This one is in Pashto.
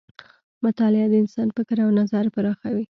مطالعه د انسان فکر او نظر پراخوي.